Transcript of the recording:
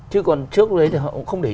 chứ còn trước đấy thì họ cũng không để ý